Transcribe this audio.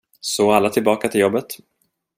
Så alla tillbaka till jobbet.